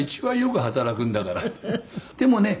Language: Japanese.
でもね